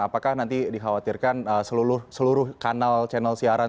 apakah nanti dikhawatirkan seluruh kanal channel siaran